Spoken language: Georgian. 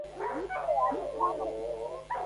იქვე არის სამრეკლო.